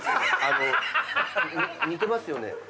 似てますよね？